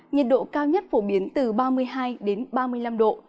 nhiệt độ cao nhất phổ biến từ ba mươi hai đến ba mươi năm độ